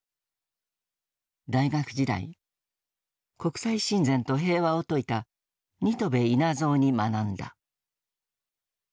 大学時代国際親善と平和を説いた新渡戸稲造に学んだ。